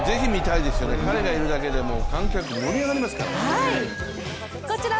彼がいるだけで観客が盛り上がりますからね。